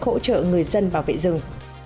hỗ trợ người dân bảo vệ rừng